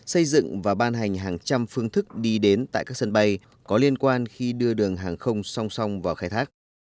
xây dựng và ban hành hàng trăm phương thức đi đến tại các sân bay có liên quan khi đưa đường hàng không song song vào khai thác